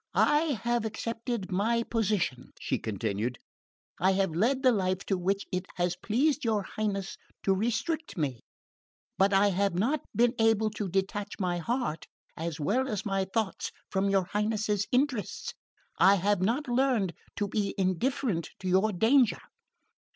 "I have accepted my position," she continued. "I have led the life to which it has pleased your Highness to restrict me. But I have not been able to detach my heart as well as my thoughts from your Highness's interests. I have not learned to be indifferent to your danger."